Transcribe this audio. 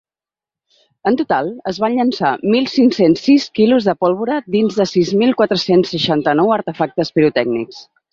En total, es van llençar mil cinc-cents sis quilos de pólvora dins de sis mil quatre-cents seixanta-nou artefactes pirotècnics.